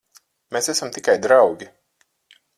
Mēs esam tikai draugi.